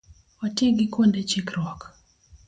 Wati gi kuonde chikruok